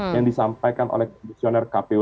yang disampaikan oleh komisioner kpu